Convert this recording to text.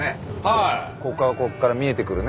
ここからここから見えてくるね。